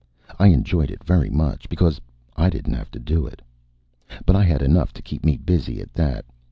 I enjoyed it very much, because I didn't have to do it. But I had enough to keep me busy at that.